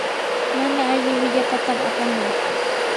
mana alli willapatam apamuu.